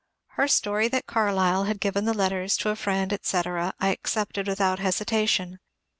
Her story that Carlyle had given the letters to a friend, etc., I accepted without hesita tion.